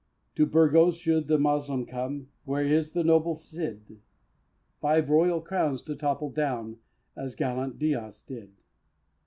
To Burgos should the Moslem come, Where is the noble Cid Five royal crowns to topple down As gallant Diaz did?